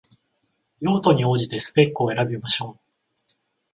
用途に応じてスペックを選びましょう